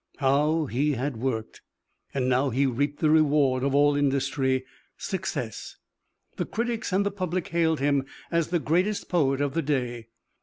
How he had worked! And now he reaped the reward of all industry success. The critics and the public hailed him as the greatest poet of the day.